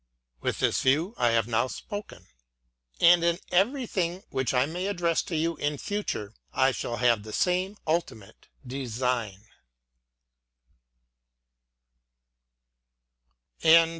With this view I have now spoken ;— and in everything which I may address to you in future, I shal have the same ultimate design.